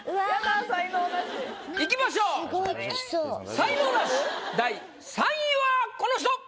才能ナシ第３位はこの人！